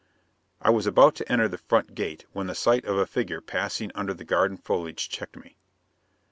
I was about to enter the front gate when sight of a figure passing under the garden foliage checked me.